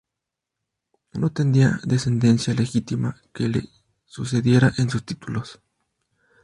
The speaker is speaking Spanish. No tenía descendencia legítima que le sucediera en sus títulos.